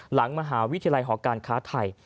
หลังมหาวิทยาลัยหอการค้าไทย